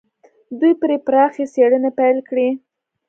دوی پرې پراخې څېړنې پيل کړې.